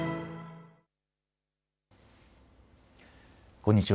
こんにちは。